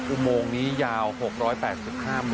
อุโมงนี้ยาว๖๘๕เมตรเลยค่ะ